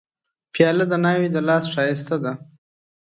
پیاله د ناوې د لاس ښایسته ده.